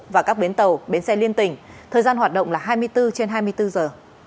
và các bến tàu bến xe liên tỉnh thời gian hoạt động là hai mươi bốn trên hai mươi bốn giờ